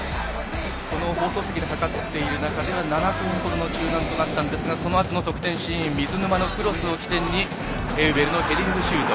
この放送席で計っている中では７分ほどの中断となったんですがそのあとの得点シーン水沼のクロスを起点にエウベルのヘディングシュート。